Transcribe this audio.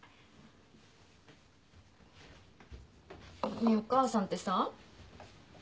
ねえお母さんってさお味噌汁